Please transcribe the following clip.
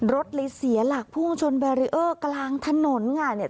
รถเลยเสียหลักพุ่งชนแบรีเออร์กลางถนนค่ะเนี่ย